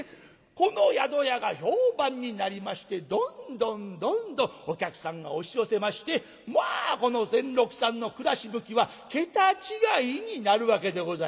この宿屋が評判になりましてどんどんどんどんお客さんが押し寄せましてまあこの善六さんの暮らし向きは桁違いになるわけでございます。